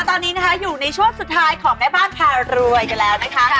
ตอนนี้นะคะอยู่ในช่วงสุดท้ายของแม่บ้านพารวยกันแล้วนะคะ